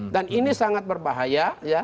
dan ini sangat berbahaya